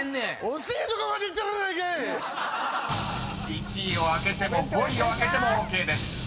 ［１位を開けても５位を開けてもＯＫです］